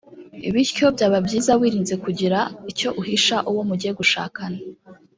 Bityo byaba byiza wirinze kugira icyo uhisha uwo mugiye gushakana